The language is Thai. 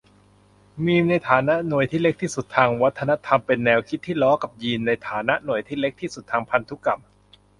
มีม ในฐานะหน่วยที่เล็กที่สุดทางวัฒนธรรม เป็นแนวคิดที่ล้อกับ ยีน ในฐานะหน่วยที่เล็กที่สุดทางพันธุกรรม